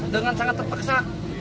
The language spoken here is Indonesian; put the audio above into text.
dengan sangat terpesa